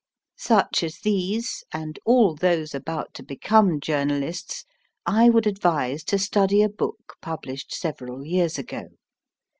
Such as these, and all those about to become journalists, I would advise to study a book published several years ago.